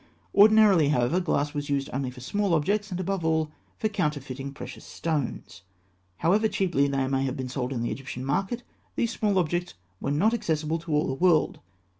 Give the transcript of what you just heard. Ordinarily, however, glass was used only for small objects, and, above all, for counterfeiting precious stones. However cheaply they may have been sold in the Egyptian market, these small objects were not accessible to all the world.